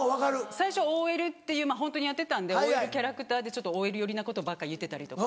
最初ＯＬっていうまぁホントにやってたんでＯＬキャラクターでＯＬ寄りなことばっか言ってたりとか。